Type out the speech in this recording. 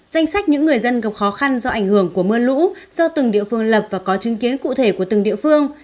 danh sách những người dân gặp khó khăn do ảnh hưởng của mưa lũ do từng địa phương lập và có chứng kiến cụ thể của từng địa phương